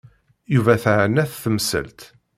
Yuba teɛna-t temsalt.